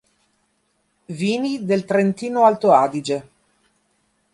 Vini del Trentino-Alto Adige